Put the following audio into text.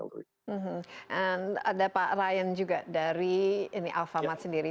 dan ada pak ryan juga dari alfamart sendiri